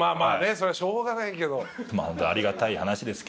そりゃしょうがないけど。